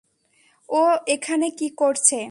ও এখানে কি করছে?